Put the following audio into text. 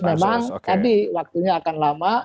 memang tadi waktunya akan lama